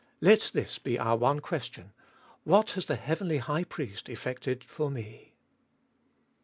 Let this be our one question, What has the heavenly High Priest effected for me